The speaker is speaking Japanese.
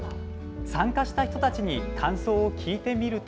参加した人たちに感想を聞いてみると。